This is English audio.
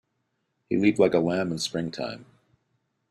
He leaped like a lamb in springtime.